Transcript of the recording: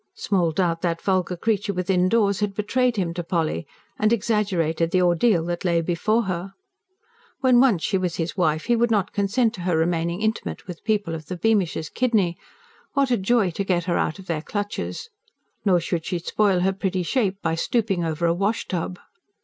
Small doubt that vulgar creature within doors had betrayed him to Polly, and exaggerated the ordeal that lay before her. When once she was his wife he would not consent to her remaining intimate with people of the Beamishes' kidney: what a joy to get her out of their clutches! Nor should she spoil her pretty shape by stooping over a wash tub.